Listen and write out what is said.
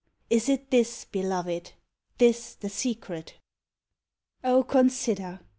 Is it this, Beloved, this the secret ? Oh, consider